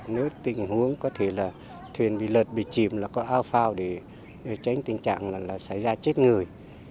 nếu tình huống có thể là thuyền bị lợt bị chìm là có ao phao để tránh tình trạng là xảy ra chết người